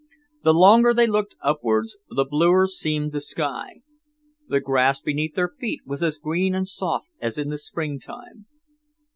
The longer they looked upwards, the bluer seemed the sky. The grass beneath their feet was as green and soft as in springtime.